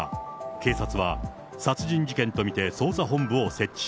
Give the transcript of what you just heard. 警察は殺人事件と見て捜査本部を設置。